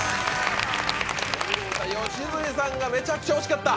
・良純さんがめちゃくちゃ惜しかった！